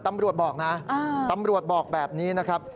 ตำรวจบอกนะตำรวจบอกแบบนี้นะครับ